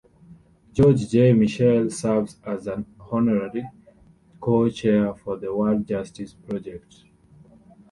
George J. Mitchell serves as an Honorary Co-Chair for the World Justice Project.